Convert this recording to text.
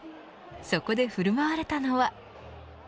そこで振る舞われたのは。